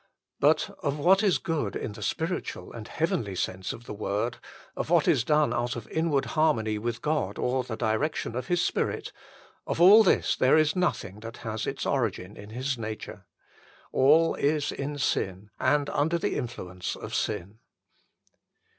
But of what is good in the spiritual and heavenly sense of the word, of what is done out of inward harmony with God or the direction of His Spirit of all this there is nothing that has its origin in His nature. All is in sin, and under the influence of sin.